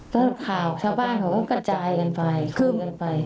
ก็ข่าวชาวบ้านเขาก็กระจายกันไปคืบกันไป